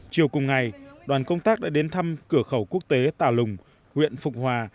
chiều cùng ngày đoàn công tác đã đến thăm cửa khẩu quốc tế tà lùng huyện phục hòa